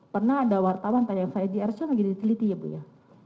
pernah ada wartawan tanya saya di rsu lagi diteliti ya bu ya